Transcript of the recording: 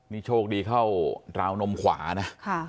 นี่โชคดีเข้าราวนมขวานะ